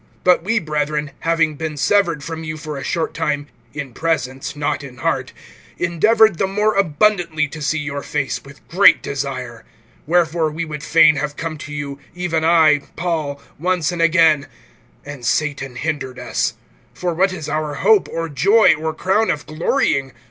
(17)But we, brethren, having been severed from you for a short time, in presence, not in heart, endeavored the more abundantly to see your face, with great desire. (18)Wherefore we would fain have come to you, even I, Paul, once and again; and Satan hindered us. (19)For what is our hope, or joy, or crown of glorying?